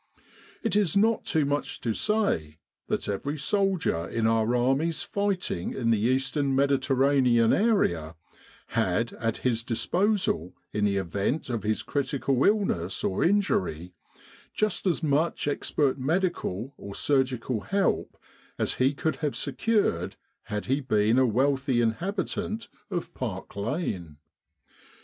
It is not too much to say that every soldier in our armies fighting in the Eastern Mediterranean area had at his disposal in the event of his critical illness or injury, just as much expert medical or surgical help as he could have secured had he been a wealthy inhabitant of Park Lane.